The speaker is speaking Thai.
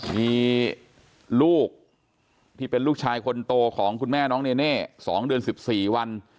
มีลูกที่เป็นลูกชายคนโตของคุณแม่น้องเนเน่๒เดือน๑๔วัน